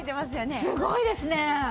すごいですね！